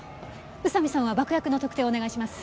宇佐見さんは爆薬の特定をお願いします。